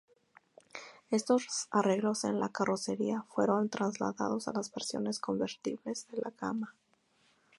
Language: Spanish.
Estos arreglos en la carrocería, fueron trasladados a las versiones convertibles de la gama.